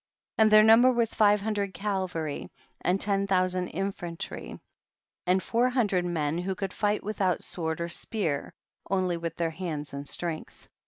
39. And their number was five hundred cavalry and ten thousand in fantry, and four hundred men who could fight without sword or spear, only with their hands and strength.